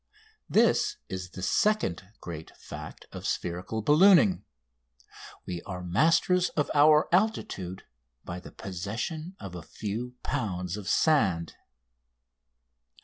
This is the second great fact of spherical ballooning we are masters of our altitude by the possession of a few pounds of sand!